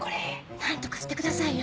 何とかしてくださいよ！